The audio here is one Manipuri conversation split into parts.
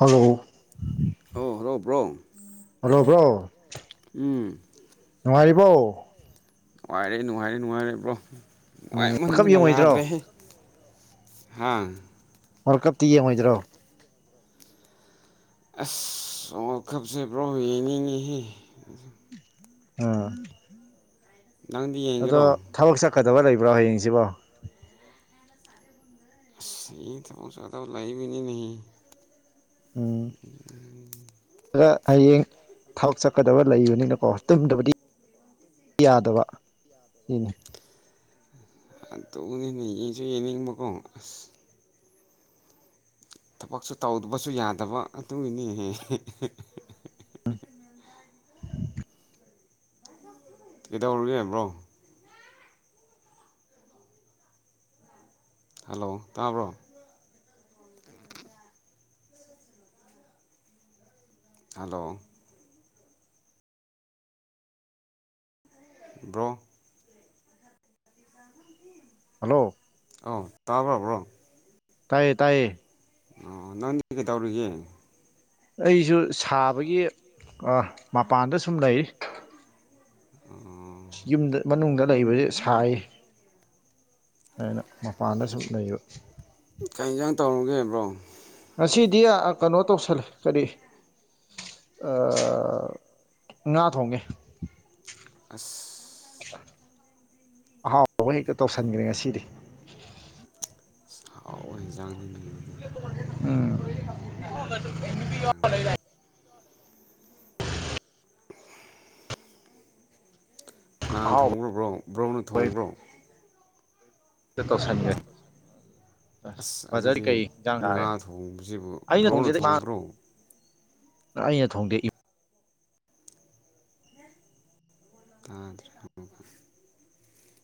hello hello hello bro hello bro ꯎꯝ ꯇꯥꯔꯤꯕꯣ ꯅꯨꯡꯉꯥꯏꯔꯦ ꯅꯨꯡꯉꯥꯏꯔꯦ ꯅꯨꯡꯉꯥꯏꯔꯕ꯭ꯔꯣ ꯎꯝ ꯋꯥꯔꯜ ꯀꯞ ꯅꯨꯡꯉꯥꯏꯃꯟꯗꯅ ꯌꯦꯡꯉꯣꯏꯗ꯭ꯔꯣ ꯌꯥꯗ꯭ꯔꯦꯍꯦ ꯍꯥ ꯋꯥꯔ ꯀꯞꯇꯤ ꯌꯦꯡꯉꯣꯏꯗꯔꯣ ꯑꯁ ꯑꯣ ꯀꯞꯁꯦ ꯕ꯭ꯔꯣ ꯌꯦꯡꯅꯤꯡꯉꯤꯍꯦ ꯑ ꯅꯪꯗꯤ ꯌꯦꯡꯉꯔꯣ ꯐꯗꯕ ꯂꯩꯕ꯭ꯔꯣ ꯍꯌꯦꯡꯁꯤꯕꯣ ꯊꯕꯛ ꯆꯠꯇꯧ ꯂꯩꯕꯤꯅꯤꯍꯦ ꯎꯝ ꯍꯌꯦꯡ ꯊꯕꯛ ꯆꯠꯀꯗꯕ ꯂꯩꯕꯅꯤꯅꯀꯣ ꯇꯨꯝꯗꯕꯗꯤ ꯌꯥꯗꯕ ꯗꯨꯏꯅꯦ ꯑ ꯇꯧꯕꯅꯤꯅꯦ ꯌꯦꯁꯨ ꯌꯦꯡꯅꯤꯡꯕꯀꯣ ꯑꯁ ꯊꯕꯛꯁꯨ ꯇꯧꯗꯕꯁꯨ ꯌꯥꯗꯕ ꯑꯗꯨꯒꯤꯅꯤꯅꯦ ꯀꯩꯗꯧꯔꯒꯦ ꯕ꯭ꯔꯣ ꯍꯜꯂꯣ ꯇꯥꯕ꯭ꯔꯣ ꯍꯂꯣ ꯕ꯭ꯔꯣ ꯍꯜꯂꯣ ꯑꯥꯎ ꯇꯥꯕ꯭ꯔꯣꯕ꯭ꯔꯣ ꯇꯌꯦ ꯇꯥꯏꯌꯦ ꯑꯣ ꯅꯪꯗꯤ ꯀꯩ ꯇꯧꯔꯤꯒꯦ ꯑꯩꯁꯨ ꯁꯥꯕꯒꯤ ꯃꯄꯥꯟꯗ ꯁꯨꯝ ꯂꯩ ꯎꯝ ꯌꯨꯝ ꯃꯅꯨꯡꯗ ꯂꯩꯕꯁꯦ ꯁꯥꯏ ꯑꯩꯅ ꯃꯄꯥꯟꯗ ꯁꯅꯩꯕ ꯀ ꯌꯦꯟꯁꯥꯡ ꯇꯧꯔꯨꯒꯦꯕ꯭ꯔꯣ ꯉꯁꯤꯗꯤ ꯀꯩꯅꯣ ꯇꯧꯁꯜꯂꯦ ꯀꯔꯤ ꯉꯥ ꯊꯣꯡꯉꯦ ꯑꯁ [unintelligible] ꯑꯍꯥꯎ ꯑꯥꯎꯕ ꯍꯦꯛꯇ ꯇꯧꯁꯟꯈ꯭ꯔꯦ ꯉꯁꯤꯗꯤ ꯁꯥꯎ ꯍꯟꯖꯥꯡꯅꯤꯅꯦ ꯑꯗꯨꯗꯗꯤ ꯅꯪ ꯂꯩ ꯀꯅꯥꯅ ꯑꯍꯥꯎ ꯊꯣꯡꯕ꯭ꯔꯣꯕ꯭ꯔꯣ ꯕ꯭ꯔꯣꯅ ꯊꯣꯡꯕ꯭ꯔꯣ ꯆꯀꯧꯁꯥꯟꯦ ꯑ ꯑꯁ ꯕꯖꯔꯗꯤ ꯑꯗꯨꯗꯤ ꯀꯩ ꯌꯦꯟꯁꯥꯡ ꯉꯥ ꯊꯥꯑꯒꯦ ꯊꯣꯡꯕꯁꯤꯕꯨ ꯑꯩꯅ ꯕ꯭ꯔꯣꯅ ꯊꯣꯡꯖꯗꯤ ꯊꯣꯡꯕ꯭ꯔꯣ ꯑꯩꯅ ꯊꯣꯡꯗꯦꯛꯏ ꯇꯥꯗꯔꯦ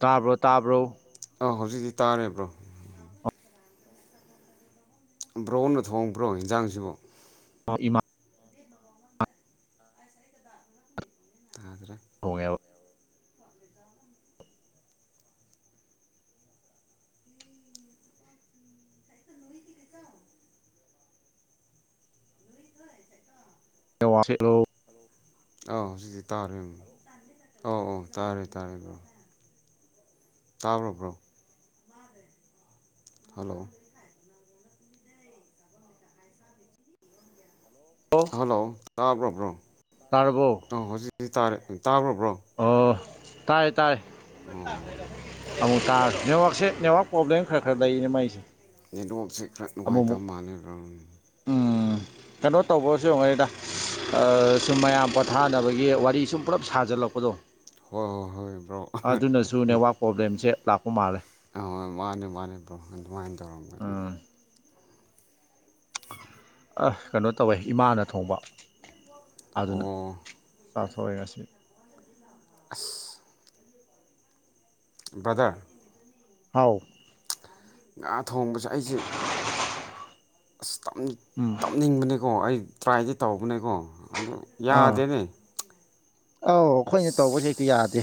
ꯇꯥꯕ꯭ꯔꯣ ꯇꯥꯕ꯭ꯔꯣ ꯑꯥ ꯍꯧꯖꯤꯛꯇꯤ ꯇꯥꯔꯤꯕ꯭ꯔꯣ ꯕ꯭ꯔꯣꯟꯅ ꯊꯣꯡꯕ꯭ꯔꯣ ꯌꯦꯟꯖꯥꯡꯁꯤꯕꯨ ꯏꯃꯥ ꯇꯥꯗ꯭ꯔꯦ ꯊꯣꯡꯉꯦ ꯋꯥꯁꯤ ꯑꯥ ꯁꯤꯗꯤ ꯇꯥꯔꯦꯣ ꯑ ꯑꯣ ꯇꯥꯔꯦ ꯇꯥꯔꯦ ꯑꯗꯨꯣ ꯆꯥꯔꯕ꯭ꯔꯣ ꯍꯜꯂꯣ ꯍꯜꯂꯣ ꯇꯥꯕ꯭ꯔꯕ꯭ꯔꯣ ꯇꯥꯔꯕꯣ ꯑ ꯍꯧꯖꯤꯛ ꯇꯥꯔ ꯇꯥꯕ꯭ꯔꯕ꯭ꯔꯣ ꯇꯥꯏ ꯇꯥꯏ ꯑꯃꯨꯛ ꯇꯥꯔꯁꯤ ꯅꯦꯠꯋꯥꯛꯁꯦ ꯅꯦꯠꯋꯥꯛ ꯄ꯭ꯔꯣꯕ꯭ꯂꯦꯝ ꯈꯔ ꯈꯔ ꯂꯩꯅꯦ ꯃꯥꯏꯁꯦ ꯌꯦꯗꯣꯛꯁꯦ ꯈꯔ ꯅꯨꯡꯉꯥꯏꯇꯕ ꯃꯥꯥꯟꯂꯈ꯭ꯔ ꯎꯝ ꯀꯩꯅꯣ ꯇꯧꯕꯁꯨ ꯌꯦꯡꯉꯉꯦꯗ ꯁꯨꯝ ꯃꯌꯥꯝ ꯄꯣꯊꯥꯅꯕꯒꯤ ꯋꯥꯔꯤ ꯁꯨꯝ ꯄꯨꯂꯞ ꯁꯥꯖꯜꯂꯛꯄꯗꯣ ꯍꯣꯏ ꯍꯣꯏ ꯍꯣꯏ ꯕ꯭ꯔꯣ ꯑꯗꯨꯅꯁꯨ ꯅꯦꯠꯋꯥꯛ ꯄ꯭ꯔꯣꯕ꯭ꯂꯦꯝꯁꯦ ꯂꯥꯛꯄ ꯃꯥꯜꯂꯦ ꯑ ꯃꯥꯅꯤ ꯃꯥꯅꯤ ꯭ꯔꯣ ꯑꯗꯨꯃꯥꯏꯅ ꯇꯧꯔ ꯃꯥꯅꯤ ꯎꯝ ꯑ ꯀꯩꯅꯣ ꯇꯧꯋꯦ ꯏꯃꯥꯅ ꯊꯣꯡꯕ ꯑꯗꯨꯅ ꯑꯣ ꯇꯊꯣꯔꯏꯒꯁꯤꯦ [unintelligible] ꯕꯗꯔ ꯍꯥꯎ ꯊꯣꯡꯕꯁꯦ ꯑꯩꯁꯦ ꯑꯁ ꯎꯝ ꯇꯝꯅꯤꯡꯕꯅꯦꯀꯣ ꯑꯩ ꯇ꯭ꯔꯥꯏꯗꯤ ꯇꯧꯕꯅꯦꯀꯣ ꯑꯗꯨ ꯑꯥ ꯌꯥꯗꯦꯅꯦ ꯑꯧ ꯑꯩꯈꯣꯏꯅ ꯑꯁ ꯇꯧꯕꯁ ꯍꯦꯛꯇꯤ ꯌꯥꯗꯦ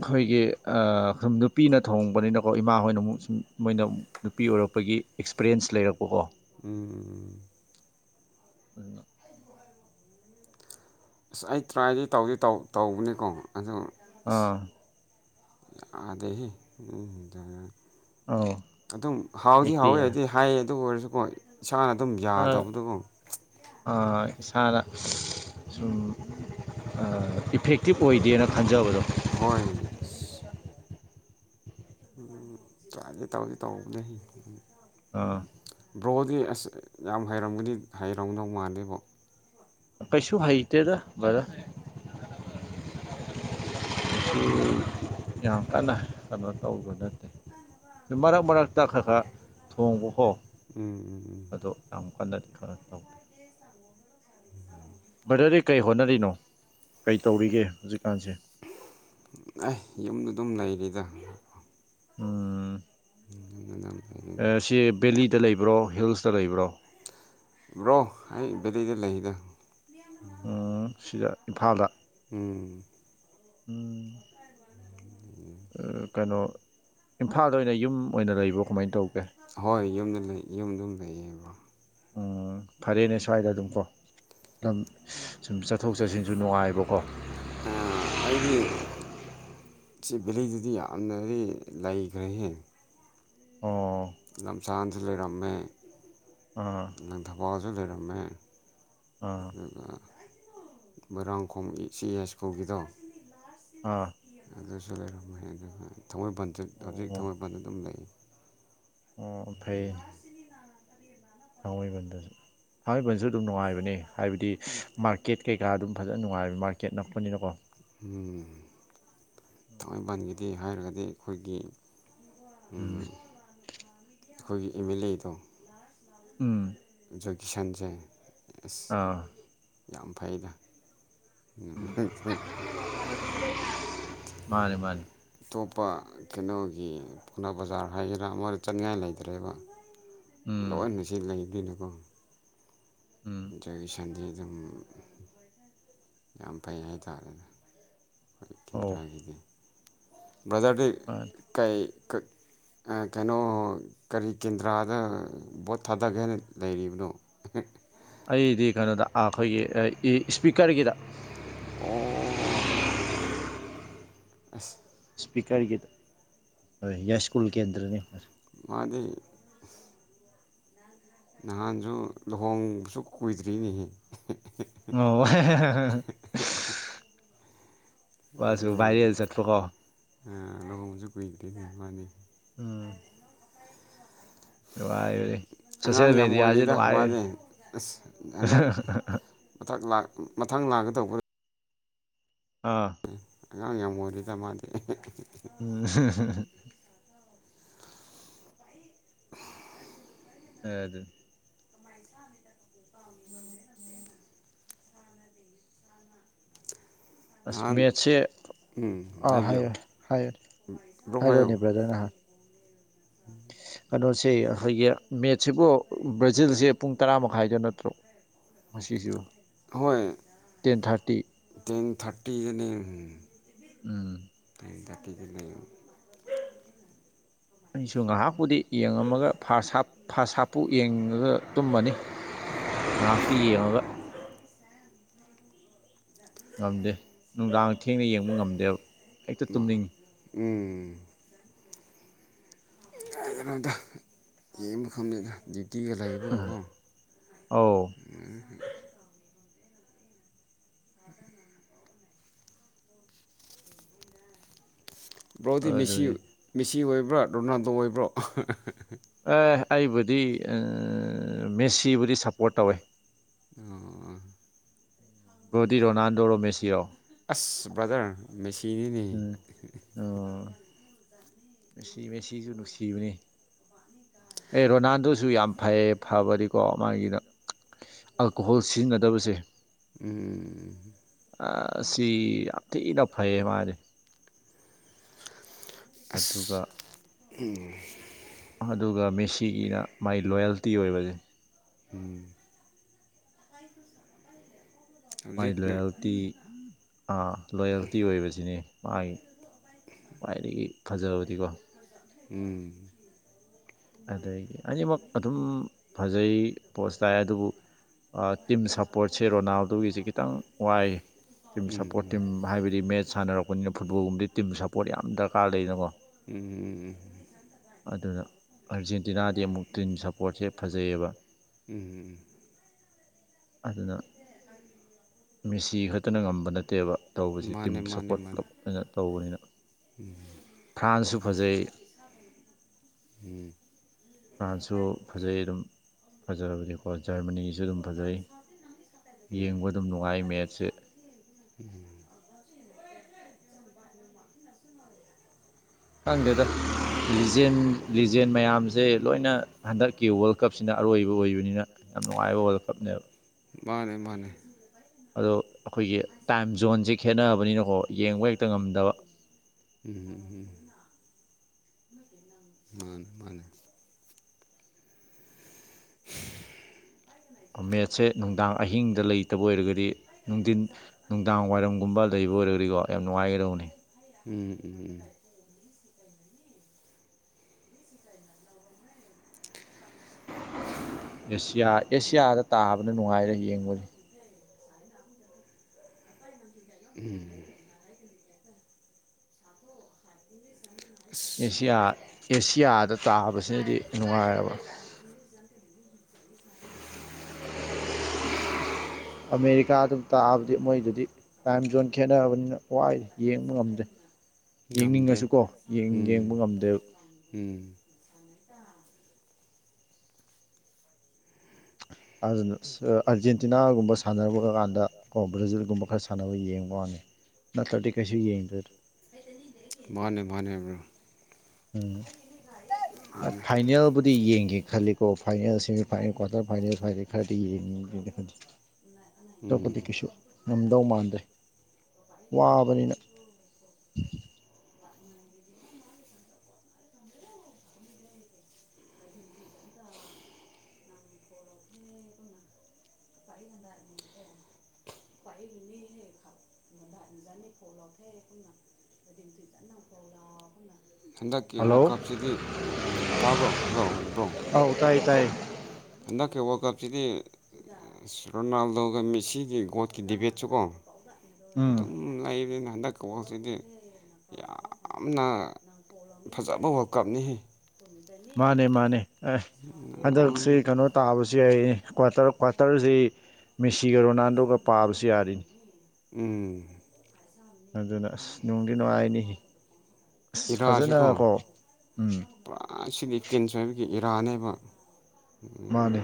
ꯑꯩꯈꯣꯏꯒꯤ ꯁꯨꯝ ꯅꯨꯄꯤꯅ ꯊꯣꯡꯕꯅꯤꯅꯀꯣ ꯏꯃꯥ ꯍꯣꯏꯅ ꯑꯃꯨꯛ ꯁꯨꯝ ꯃꯣꯏꯅ ꯅꯨꯄꯤ ꯑꯣꯏꯔꯣ ꯄꯒꯤ ꯑꯦꯛꯁꯄꯤꯔꯤꯌꯦꯟꯁ ꯂꯩꯔꯛꯄꯀꯣ ꯎꯝ ꯎꯝ ꯑ ꯑꯁ ꯑꯩ ꯇ꯭ꯔꯥꯏꯗꯤ ꯇꯧꯗꯤ ꯇꯧꯕꯅꯤꯀꯣ ꯑꯗꯨ ꯑꯁ ꯑꯥ ꯑꯗꯩ ꯎꯝ ꯑꯧ ꯑꯗꯨꯝ ꯍꯥꯎꯗꯤ ꯍꯦꯛꯇ ꯍꯥꯎꯋꯦ ꯌꯥ ꯍꯥꯏꯗꯤ ꯍꯥꯏꯌꯦ ꯑꯗꯨ ꯑꯣꯏꯔꯁꯨꯀꯣ ꯏꯁꯥꯅ ꯑꯗꯨꯝ ꯌꯥꯗꯕꯗꯨꯕꯨ ꯑꯥ ꯏꯁꯥꯅ ꯁꯨꯝ ꯏꯐꯦꯛꯇꯤꯞ ꯑꯣꯏꯗꯦꯅ ꯈꯟꯖꯕꯗꯣ ꯍꯣꯏ ꯎꯝ ꯆꯒꯦ ꯇꯧꯒꯦ ꯇꯧꯕꯅꯦ ꯎ ꯑꯥ ꯕ꯭ꯔꯣꯗꯤ ꯑꯁ ꯌꯥꯝ ꯍꯩꯔꯝꯒꯗꯤ ꯍꯩꯔꯝꯗꯧ ꯃꯥꯥꯟꯂꯦꯕꯣ ꯀꯩꯁꯨ ꯄꯩꯁꯨ ꯍꯩꯇꯦꯗ ꯕ꯭ꯔꯗꯔ ꯍꯥꯏꯗ ꯌꯥꯝ ꯀꯟꯅ ꯀꯩꯅꯣ ꯇꯧꯕ ꯅꯠꯇꯦ ꯃꯔꯛ ꯃꯔꯛꯇ ꯈꯔ ꯈꯔ ꯊꯣꯡꯕꯀꯣ ꯎꯝ ꯎꯝ ꯎꯝ ꯑꯗꯣ ꯌꯥꯝ ꯀꯥꯟꯗ ꯀ ꯇꯧꯕꯗ ꯕꯗꯗꯤ ꯀꯩ ꯍꯣꯠꯅꯔꯤꯅꯣ ꯀꯩ ꯇꯧꯔꯤꯒꯦ ꯍꯧꯖꯤꯛꯀꯥꯟꯁꯦ ꯑꯦ ꯌꯨꯝꯗ ꯑꯗꯨꯝ [unintelligible] ꯎꯝ ꯁꯤ ꯕꯦꯂꯤꯗ ꯂꯩ ꯕ꯭ꯔꯣ ꯍꯤꯜꯁꯇ ꯂꯩꯕ꯭ꯔꯣ ꯕ꯭ꯔꯣ ꯑꯩ ꯕꯦꯂꯗ ꯂꯩꯗ ꯎꯝ ꯁꯤꯗ ꯏꯝꯐꯥꯜꯗ ꯎꯝ ꯀꯩꯅꯣ ꯏꯝꯐꯥꯜꯗ ꯑꯣꯏꯅ ꯌꯨꯝ ꯑꯣꯏꯅ ꯂꯩꯕ꯭ꯔꯣ ꯀꯃꯥꯏꯅ ꯇꯧꯒꯦ ꯍꯣꯏ ꯌꯨꯝꯗ ꯌꯨꯝ ꯑꯗꯨꯝ ꯂꯩꯌꯦꯕ ꯎꯝ ꯐꯔꯦꯅꯦ ꯁ꯭ꯋꯥꯏꯗ ꯑꯗꯨꯝꯀꯣ ꯑꯗꯨ ꯁꯨꯝ ꯆꯠꯊꯣꯛ ꯆꯠꯁꯤꯟꯁꯨ ꯅꯨꯡꯉꯥꯏꯕꯀꯣ ꯑꯩꯒꯤ ꯁꯤ ꯕꯦꯂꯩꯗꯨꯗꯤ ꯌꯥꯝꯅꯗꯤ ꯂꯩꯈ꯭ꯔꯦꯍꯦ ꯑꯣ ꯂꯝꯆꯥꯟꯁꯨ ꯂꯩꯔꯝꯃꯦ ꯑꯥ ꯂꯪ ꯊꯕꯥꯜꯁꯨ ꯂꯩꯔꯝꯃꯦ ꯑꯥ ꯑꯗꯨꯒ ꯃꯣꯏꯔꯥꯡꯈꯣꯣꯡ ꯁꯤ ꯑꯦꯁ ꯀꯒꯤꯗ ꯑꯥ ꯂꯩꯔꯝ ꯊꯥꯡꯃꯩꯕꯟꯁꯨ ꯍꯧꯖꯤꯛ ꯑꯣ ꯊꯥꯡꯃꯩꯕꯟꯗ ꯑꯗꯨꯝ ꯂꯩ ꯑꯣ ꯐꯩ ꯊꯥꯡꯃꯩꯕꯟꯗꯁꯨ ꯐꯃꯩꯕꯟꯁꯨ ꯑꯗꯨꯝ ꯅꯨꯡꯉꯥꯏꯕꯅꯦ ꯍꯥꯏꯕꯗꯤ ꯃꯥꯔꯀꯦꯠ ꯀꯩꯀꯥ ꯑꯗꯨꯝ ꯐꯖꯅ ꯅꯨꯡꯉꯥꯏꯕ ꯃꯥꯔꯀꯦꯠ ꯅꯛꯄꯅꯤꯅꯀꯣ ꯊꯥꯡꯃꯏꯕꯟꯒꯤꯗꯤ ꯍꯥꯏꯔꯒꯗꯤ ꯑꯩꯈꯣꯏꯒꯤ ꯎꯝ ꯑꯩꯈꯣꯏꯒꯤ ꯑꯦꯝ ꯑꯦꯜ ꯑꯦꯗꯣ ꯎꯝ ꯏꯖꯨꯀꯦꯁꯟꯁꯦ ꯑꯦꯁ ꯑꯥ ꯌꯥꯝ ꯐꯩꯗ [unintelligible] ꯃꯥꯅꯦ ꯃꯥꯅꯦ ꯑꯇꯄ ꯀꯩꯅꯣꯒꯤ ꯄꯥꯎꯅꯥ ꯕꯖꯥꯔ ꯍꯥꯏꯒꯦꯔꯥ ꯃꯣꯏꯗ ꯆꯠꯅꯤꯡꯉꯥꯏ ꯂꯩꯇ꯭ꯔꯦꯕ ꯎꯝ ꯂꯣꯏꯅ ꯁꯤ ꯂꯩꯗꯣꯏꯅꯀꯣ ꯎꯝ ꯖꯣꯏꯒꯤ ꯁꯟꯗꯤꯤ ꯑꯗꯨꯝ ꯌꯥꯝ ꯐꯩ ꯍꯥꯏꯇꯥꯥꯔꯦꯅꯦ ꯑꯩꯣꯏ ꯑꯧ ꯀꯦꯟꯗ꯭ꯔꯥꯒꯤꯗꯤ ꯕꯖꯔꯔ ꯃꯥꯅꯤ ꯀ ꯀ ꯀꯩꯅꯣ ꯀꯔꯤ ꯀꯦꯟꯗ꯭ꯔꯥꯗ ꯚꯣꯠ ꯊꯥꯗꯒꯦꯅ ꯂꯩꯔꯤꯕꯅꯣ ꯑꯩꯗꯤ ꯀꯩꯅꯣꯗ ꯑꯩꯈꯣꯏꯒꯤ ꯏꯁꯄꯤꯀꯔꯒꯤꯗ ꯑꯣ ꯑ ꯏꯁꯄꯤꯀꯔꯒꯤꯗ ꯍꯣꯏ ꯌꯥꯏꯁ꯭ꯀꯨꯜ ꯀꯦꯟꯗ꯭ꯔꯅꯤ ꯃꯥꯗꯤ ꯅꯍꯥꯟꯁꯨ ꯂꯨꯍꯣꯡꯕꯁꯨ ꯀꯨꯏꯗ꯭ꯔꯤꯅꯦꯍꯦ ꯑꯣ ꯃꯥꯁꯨ ꯑꯗꯨꯗꯤ ꯚꯥꯏꯔꯦꯜ ꯆꯠꯄꯀꯣ ꯂꯒꯥꯎꯁꯨ ꯀꯏ ꯀꯗꯔꯤꯅ ꯃꯥꯅꯤ ꯎꯝ ꯅꯨꯡꯉꯥꯏꯕꯅꯤ ꯑꯉꯥꯡ ꯁꯣꯁꯤꯌꯦꯜ ꯌꯥꯝ ꯃꯦꯗꯤꯌꯥꯁꯦ ꯑꯣꯏꯔꯤꯦꯗ ꯅꯨꯡꯉꯥꯏ ꯃꯥꯗꯤ ꯑꯁ ꯍꯟꯗꯛ ꯃꯊ ꯃꯊꯪ ꯂꯥꯛꯒꯗꯧꯕ ꯑꯥ ꯑꯉꯥꯡ ꯌꯥꯝꯃ ꯑꯣꯏꯗꯗ ꯃꯥꯥꯟꯗꯤꯦ ꯎꯝ [unintelligible] ꯑ ꯑꯗꯨ ꯑꯁ ꯅꯍꯥꯟ ꯃꯦꯠꯁꯦ ꯎꯝ ꯑꯥ ꯍꯥꯏꯕꯤꯌꯨ ꯍꯥꯏꯌꯨ ꯍꯥꯏ ꯕ꯭ꯔꯣ ꯍꯥꯏꯌꯨ ꯍꯥꯏꯔꯑꯣꯅꯦ ꯕ꯭ꯔꯗꯔ ꯅꯍꯥꯟ ꯀꯩꯅꯣꯁꯦ ꯑꯩꯈꯣꯏꯒꯤ ꯃꯦꯠꯁꯤꯕꯨ ꯕ꯭ꯔꯥꯖꯤꯜꯁꯦ ꯄꯨꯡ ꯇꯔꯥ ꯃꯈꯥꯏꯗ ꯅꯠꯇ꯭ꯔꯣ ꯃꯁꯤꯁꯤꯁꯤꯕ ꯍꯣꯏ ꯇꯦꯟ ꯊꯥꯔꯇꯤꯅꯤ ꯎꯝ ꯇ ꯊꯥꯔꯇ ꯀ ꯀ [unintelligible] ꯑꯩꯁꯨ ꯉꯥꯏꯍꯥꯛꯄꯨꯗꯤ ꯌꯦꯡꯉꯝꯃꯒ ꯐ ꯍꯥ ꯐ ꯍꯥꯞꯄꯨ ꯌꯦꯡꯉꯒ ꯇꯨꯝꯃꯅꯤ ꯑꯄꯤꯤ ꯑꯕ ꯉꯝꯗꯦ ꯅꯨꯡꯗꯥꯡ ꯊꯦꯡꯅ ꯌꯦꯡꯕ ꯉꯝꯗꯦꯕ ꯍꯦꯛꯇ ꯑꯃ ꯇꯨꯝꯅꯤꯡꯉꯤ ꯎꯝ ꯗ ꯌꯦꯡꯕꯐꯝ ꯂꯩꯅ ꯇꯤꯃꯦ ꯂꯦꯕꯣꯀꯣ ꯑꯧ ꯕ꯭ꯔꯥꯎꯗꯤ ꯃꯦꯁꯤ ꯑꯗꯨꯅꯤ ꯃꯦꯁꯤ ꯑꯣꯏꯕ꯭ꯔꯥ ꯔꯣꯅꯥꯜꯗꯣ ꯑꯣꯏꯕ꯭ꯔꯣ ꯑꯦ ꯑꯩꯕꯨꯗꯤ ꯃꯦꯁꯤꯕꯨꯗꯤ ꯁꯞꯄꯣꯔꯠ ꯇꯧꯋꯦ ꯑꯣ ꯣꯗꯤ ꯔꯣꯅꯥꯜꯗꯣ ꯔꯣꯃꯦꯁꯤꯔꯣ ꯑꯁ ꯕ꯭ꯔꯗꯔ ꯃꯦꯁꯤꯅꯤꯅꯦ ꯎꯝ ꯑꯣ ꯃꯦꯁꯤ ꯃꯦꯁꯤꯁꯨ ꯅꯨꯡꯁꯤꯕꯅꯤ ꯑꯦ ꯔꯣꯅꯥꯜꯗꯣꯁꯨ ꯌꯥꯝ ꯐꯩꯌꯦ ꯐꯕꯗꯤꯀꯣ ꯃꯥꯒꯤꯅ ꯑꯜꯀꯣꯍꯣꯜ ꯁꯤꯖꯤꯟꯅꯗꯕꯁꯦ ꯎꯝ ꯁꯤ ꯌꯥꯝꯊꯤꯅ ꯐꯩꯌꯦ ꯃꯥꯅꯦ ꯑꯗꯨꯒ ꯎꯝ ꯑꯗꯨꯒ ꯃꯦꯁꯤꯒꯤꯅ ꯃꯥꯏ ꯂꯣꯌꯦꯜꯇꯤ ꯑꯣꯏꯕꯁꯦ ꯎꯝ [unintelligible] ꯃꯥꯏ ꯍꯧꯖꯤꯛꯅ ꯂꯣꯌꯦꯜꯇꯤ ꯂꯣꯌꯦꯜꯇꯤ ꯑꯣꯏꯕꯁꯤꯅꯦ ꯃꯥꯒꯤ ꯈ꯭ꯋꯥꯏꯗꯒꯤ ꯐꯖꯕꯗꯤꯀꯣ ꯎꯝ ꯑꯗꯒꯤ ꯑꯅꯤꯃꯛ ꯑꯗꯨꯝ ꯐꯖꯩ ꯄꯣꯠꯁ ꯇꯥꯏ ꯑꯗꯨꯕꯨ ꯇꯤꯝ ꯁꯞꯄꯣꯔꯠꯁꯦ ꯔꯣꯅꯥꯜꯗꯨꯣꯒꯤꯁꯦ ꯈꯤꯇꯪ ꯋꯥꯏ ꯇꯤꯝ ꯁꯞꯄꯣꯔꯠ ꯎꯝ ꯇꯤꯝ ꯍꯥꯏꯕꯗꯤ ꯃꯦꯠꯆ ꯁꯥꯟꯅꯔꯛꯄꯅꯤꯅ ꯐꯨꯠꯕꯣꯜꯒꯨꯝꯕꯗꯤ ꯇꯤꯝ ꯁꯞꯄꯣꯔꯠ ꯌꯥꯝ ꯗꯔꯀꯥꯔ ꯂꯩꯅꯀꯣ ꯎꯝ ꯎꯝ ꯑꯗꯨꯗꯔ ꯑꯥꯔꯖꯦꯟꯇꯤꯅꯥꯗꯤ ꯑꯃꯨꯛ ꯇꯤꯟ ꯁꯄꯣꯔꯠꯁꯦ ꯐꯖꯩꯌꯦꯕ ꯎꯝ ꯎꯝ ꯑꯗꯨꯗ ꯃꯤꯦꯁꯤ ꯈꯛꯇꯅ ꯉꯝꯕ ꯅꯠꯇꯦꯕ ꯇꯧꯕꯁꯦ ꯇꯤꯝ ꯃꯥꯅꯦ ꯁꯞꯄꯣꯔꯠ ꯄꯨꯂꯞ ꯑꯣꯏꯅ ꯇꯧꯕꯅꯤꯅ ꯎꯝ ꯐ꯭ꯔꯥꯟꯁꯁꯨ ꯐꯖꯩ ꯎꯝ ꯐ꯭ꯔꯥꯟꯁꯁꯨ ꯐꯖꯩ ꯑꯗꯨꯝ ꯐꯖꯕꯗꯤꯀꯣ ꯖꯔꯃꯅꯤꯁꯨ ꯑꯗꯨꯝ ꯐꯖꯩ ꯎꯝ ꯌꯦꯡꯕ ꯑꯗꯨꯝ ꯅꯨꯡꯉꯥꯏ ꯃꯦꯠꯁꯦ ꯍꯪꯗꯦꯗ ꯂꯤꯖꯦꯟ ꯂꯤꯖꯦꯟ ꯃꯌꯥꯝꯁꯦ ꯂꯣꯏꯅ ꯍꯟꯗꯛꯀꯤ ꯋꯥꯔꯜ ꯀꯞꯁꯤꯅ ꯑꯔꯣꯏꯕ ꯑꯣꯏꯕꯅꯤꯅ ꯌꯥꯝ ꯅꯨꯡꯉꯥꯏꯕ ꯋꯥꯋꯔꯜ ꯀꯞꯅꯦꯕ ꯃꯥꯅꯦ ꯃꯥꯅꯦ ꯑꯗꯣ ꯑꯩꯈꯣꯏꯒꯤ ꯇꯥꯏꯝ ꯖꯣꯟꯁꯦ ꯈꯦꯠꯅꯔꯕꯅꯤꯅꯀꯣ ꯌꯦꯡꯕ ꯍꯦꯛꯇ ꯉꯝꯗꯕ ꯎꯝ ꯎꯝ ꯃꯥꯅꯦ ꯃꯥꯅꯦ ꯃꯦꯠꯁꯦ ꯅꯨꯡꯗꯥꯡ ꯑꯍꯤꯡꯗ ꯂꯩꯇꯕ ꯑꯣꯏꯔꯒꯗꯤ ꯅꯨꯡꯊꯤꯟ ꯅꯨꯡꯗꯥꯡ ꯋꯥꯏꯔꯝꯒꯨꯝꯕ ꯂꯩꯕ ꯑꯣꯏꯔꯀꯣ ꯌꯥꯝ ꯅꯨꯡꯉꯥꯏꯔꯧꯅꯦ ꯎꯝ ꯎꯝ ꯎꯝ ꯑꯦꯁꯤꯌꯥ ꯑꯦꯁꯤꯌꯥꯗ ꯇꯥꯕꯅ ꯅꯨꯡꯉꯥꯏꯔꯦ ꯌꯦꯡꯕꯗꯤ ꯎꯝ ꯑꯁ ꯑꯦꯁꯤꯌꯥ ꯑꯦꯁꯤꯌꯥꯗ ꯇꯥꯕꯁꯤꯅꯗꯤ ꯅꯨꯡꯉꯥꯏꯕ ꯑꯃꯦꯔꯤꯀꯥꯗꯨꯝ ꯇꯥꯛꯑꯕꯗꯤ ꯃꯣꯏꯗꯨꯗꯤ ꯇꯥꯏꯝ ꯖꯣꯟ ꯈꯦꯠꯅꯔꯕꯅꯤꯅ ꯋꯥꯏ ꯌꯦꯡꯕ ꯉꯝꯗꯦ ꯉꯝꯗꯦ ꯌꯦꯡꯅꯤꯡꯉꯁꯨꯀꯣ ꯌꯦꯡꯕ ꯎꯝ ꯉꯝꯗꯦ ꯎꯝ ꯑꯥꯔꯖꯦꯟꯇꯤꯅꯥꯒꯨꯝꯕ ꯁꯥꯟꯅꯔ ꯀꯥꯟꯗ ꯀꯣ ꯕ꯭ꯔꯥꯖꯤꯜꯒꯨꯝꯕ ꯈꯔ ꯁꯥꯟꯅꯕ ꯌꯦꯡꯕ ꯋꯥꯅꯤ ꯅꯠꯇꯔꯗꯤ ꯀꯁꯤ ꯌꯦꯗꯔ ꯃꯥꯅꯦ ꯃꯥꯅꯦ ꯎꯝ ꯃꯥꯅꯦ ꯐꯥꯏꯅꯦꯜꯕꯨꯗꯤ ꯌꯦꯡꯒꯦ ꯈꯜꯂꯤꯀꯣ ꯐꯥꯏꯅꯦꯜ ꯁꯦꯃꯤꯐꯥꯏꯅꯦꯜ ꯀ꯭ꯋꯥꯔꯇꯔ ꯐꯥꯏꯅꯦꯜꯏ ꯈꯔꯗꯤ ꯌꯦꯡꯉꯤ ꯑꯇꯣꯞꯄꯗꯤ ꯎꯝ ꯀꯩꯁꯨ ꯉꯝꯗꯧ ꯃꯥꯟꯗ꯭ꯔꯦ ꯋꯥꯕꯅꯤꯅ ꯍꯟꯗꯛꯀꯤ ꯍꯜꯂꯣ ꯋꯥꯀꯞꯁꯤꯗꯤ ꯇꯥꯕ꯭ꯔꯣ ꯍꯜꯂꯣꯕ꯭ꯔꯣ ꯑꯧ ꯇꯥꯏ ꯇꯥꯏ ꯍꯟꯗꯛꯀꯤ ꯋꯥꯔꯜ ꯀꯞꯁꯤꯗꯤ ꯑ ꯔꯣꯅꯥꯜꯗꯣꯒ ꯃꯤꯁꯤꯒꯤ ꯒꯣꯠꯀꯤ ꯗꯤꯕꯦꯠꯁꯨ ꯀꯣ ꯎꯝ ꯑꯗꯨꯝ ꯂꯩꯗꯅ ꯍꯟꯗꯛꯀꯁꯤꯗꯤ ꯌꯥꯝꯅ ꯐꯖꯕ ꯋꯔꯀꯞꯅꯤ ꯃꯥꯅꯦ ꯃꯥꯅꯦ ꯑ ꯍꯟꯗꯛꯁꯤ ꯀꯩꯅꯣ ꯇꯥꯕꯁꯨ ꯌꯥꯏ ꯀ꯭ꯇꯔ ꯀ꯭ꯋꯥꯇꯔꯁꯤ ꯃꯦꯁꯤꯒ ꯔꯣꯅꯥꯜꯗꯣꯒ ꯄꯥꯕꯁꯨ ꯌꯥꯔꯤꯅꯤ ꯎꯝ ꯑꯗꯨꯅ ꯑꯁ ꯅꯨꯡꯗꯤ ꯅꯨꯡꯉꯥꯏꯅꯤ ꯑꯁ ꯏꯔꯛꯑꯁꯤꯀꯣ ꯐꯖꯅꯀꯣ ꯎꯝ ꯄꯨꯔꯥ ꯁꯤꯗꯤ ꯀꯦꯟꯁ ꯍꯥꯏꯕꯒꯤ ꯏꯔꯕ ꯃꯥꯅꯦ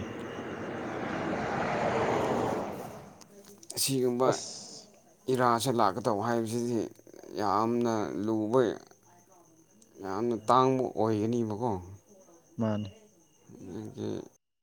ꯑꯁꯤꯒꯨꯝꯕ ꯏꯔꯥ ꯄꯁ ꯂꯥꯛꯀ ꯇꯧꯕ ꯍꯥꯏꯕꯁꯤꯗꯤ ꯌꯥꯝꯅ ꯂꯨꯕꯩ ꯌꯥꯝꯅ ꯇꯥꯡꯕ ꯑꯣꯏꯒꯅꯦꯕꯀꯣ ꯃꯥꯅꯤ ꯑꯩꯗꯒꯤ